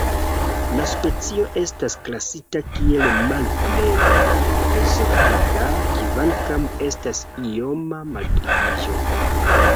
La specio estas klasita kiel Malplej zorgiga, kvankam estas ioma malpliiĝo.